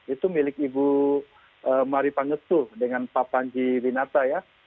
itu milik ibu mari pangesu dengan pak panji winata